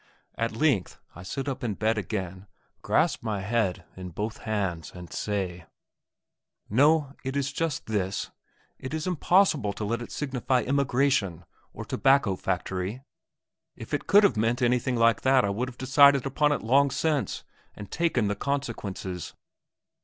At length I sit up in bed again, grasp my head in both hands, and say, "No! it is just this, it is impossible to let it signify emigration or tobacco factory. If it could have meant anything like that I would have decided upon it long since and taken the consequences."